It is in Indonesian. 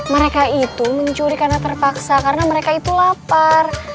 mereka itu mencuri karena terpaksa karena mereka itu lapar